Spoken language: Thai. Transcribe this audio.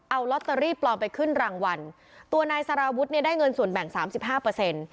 เอาลอตเตอรี่ปลอมไปขึ้นรางวัลตัวนายสารวุฒิเนี่ยได้เงินส่วนแบ่งสามสิบห้าเปอร์เซ็นต์